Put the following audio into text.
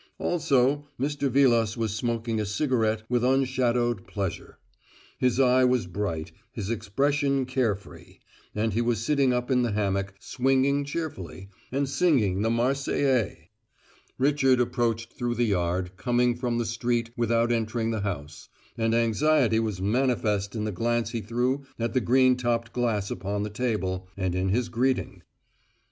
Also, Mr. Vilas was smoking a cigarette with unshadowed pleasure; his eye was bright, his expression care free; and he was sitting up in the hammock, swinging cheerfully, and singing the "Marseillaise." Richard approached through the yard, coming from the street without entering the house; and anxiety was manifest in the glance he threw at the green topped glass upon the table, and in his greeting.